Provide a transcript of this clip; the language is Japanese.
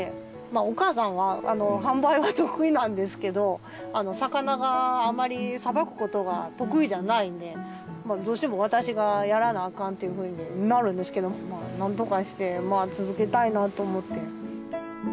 まあお母さんは販売は得意なんですけど魚があまりさばくことが得意じゃないんでまあどうしても私がやらなあかんっていうふうになるんですけどなんとかして続けたいなと思って。